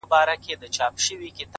د دېوال شا ته پراته دي څو غيرانه؛